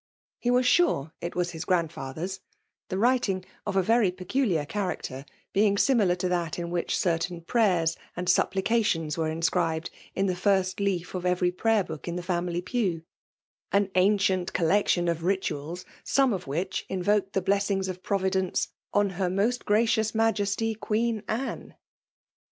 He was sure it was his gnmdfatber^s ; the writing, of a very peculiar character, being similar to that in which cer tain primers and supplications were inscribed in the first leaf of every prayer book in the ^Emiily pew, — an ancient collection of rituals, some of which invoked the blessings of Pro vidence *' on Her most Gracious Majesty Queen Anne."